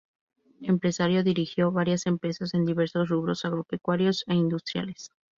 Empresario, dirigió varias empresas en diversos rubros agropecuarios e industriales.